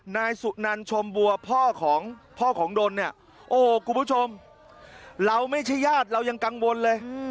นายสุนันชมบัวพ่อของพ่อของดนเนี่ยโอ้โหคุณผู้ชมเราไม่ใช่ญาติเรายังกังวลเลย